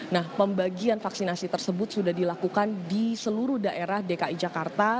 nah pembagian vaksinasi tersebut sudah dilakukan di seluruh daerah dki jakarta